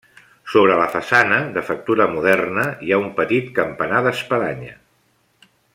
Sobre la façana, de factura moderna, hi ha un petit campanar d'espadanya.